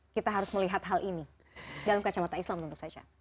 kita harus melihat hal ini dalam kacamata islam tentu saja